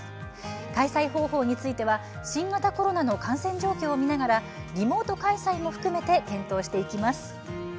開催方法については新型コロナの感染状況を見ながらリモート開催も含めて検討していきます。